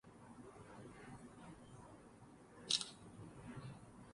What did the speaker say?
She was named for Admiral DeWitt Clinton Ramsey.